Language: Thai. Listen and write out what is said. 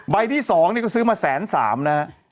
ใบที่๒นี่ก็ซื้อมาแสน๓น่ะ